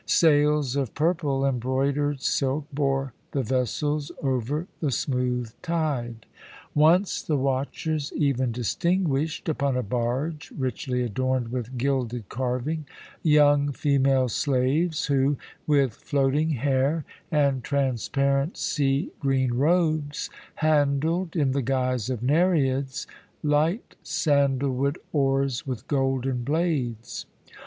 Sails of purple embroidered silk bore the vessels over the smooth tide. Once the watchers even distinguished, upon a barge richly adorned with gilded carving, young female slaves who, with floating hair and transparent sea green robes, handled, in the guise of Nereids, light sandal wood oars with golden blades.